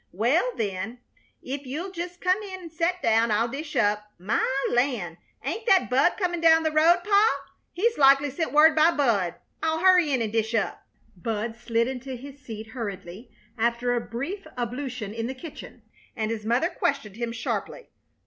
"Well, then, ef you'll just come in and set down, I'll dish up. My land! Ain't that Bud comin' down the road, Pa? He's likely sent word by Bud. I'll hurry in an' dish up." Bud slid into his seat hurriedly after a brief ablution in the kitchen, and his mother questioned him sharply.